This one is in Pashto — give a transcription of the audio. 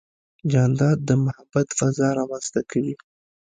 جانداد د محبت فضا رامنځته کوي.